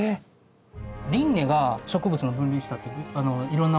リンネが植物の分類したっていろんなものの名前